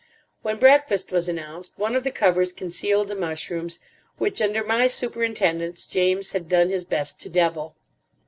When breakfast was announced, one of the covers concealed the mushrooms, which, under my superintendence, James had done his best to devil.